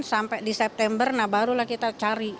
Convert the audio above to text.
sampai di september nah barulah kita cari